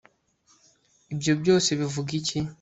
Ibi byose bivuga iki